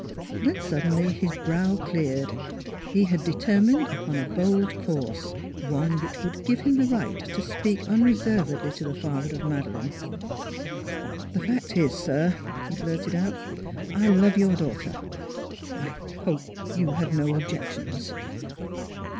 Then suddenly his brow cleared: he had determined upon a bold course; one which would give him the right to speak unreservedly to the father of Madeleine. " The fact is, sir," he. blurted out, " I love your daughter. I hope you have no objections."